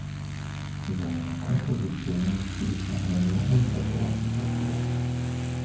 Seine Kompositionen spielten eine nur untergeordnete Rolle.